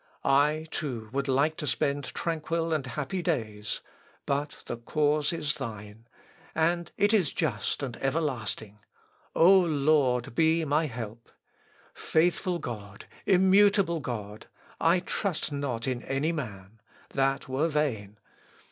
I, too, would like to spend tranquil and happy days. But the cause is Thine: and it is just and everlasting! O Lord! be my help! Faithful God, immutable God! I trust not in any man. That were vain.